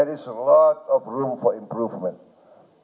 ada banyak ruang untuk peningkatan